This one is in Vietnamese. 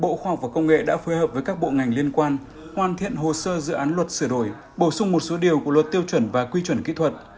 bộ khoa học và công nghệ đã phối hợp với các bộ ngành liên quan hoàn thiện hồ sơ dự án luật sửa đổi bổ sung một số điều của luật tiêu chuẩn và quy chuẩn kỹ thuật